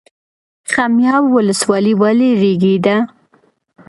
خمیاب ولسوالۍ ولې ریګي ده؟